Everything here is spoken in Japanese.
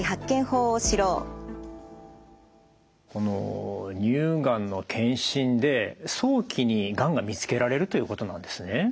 この乳がんの検診で早期にがんが見つけられるということなんですね？